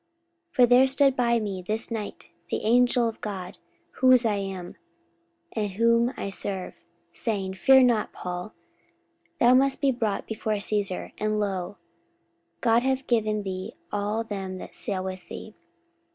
44:027:023 For there stood by me this night the angel of God, whose I am, and whom I serve, 44:027:024 Saying, Fear not, Paul; thou must be brought before Caesar: and, lo, God hath given thee all them that sail with thee.